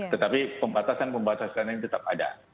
tetapi pembatasan pembatasan ini tetap ada